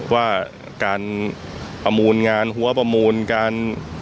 ว่าการประมูลงานหัวประมูลการ